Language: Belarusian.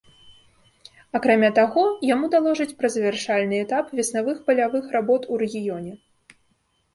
Акрамя таго, яму даложаць пра завяршальны этап веснавых палявых работ у рэгіёне.